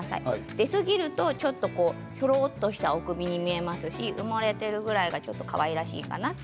低すぎるとちょっとひょろっとしたお首に見えますし埋もれているぐらいがちょっとかわいらしいかなと。